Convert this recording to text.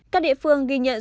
các địa phương ghi nhận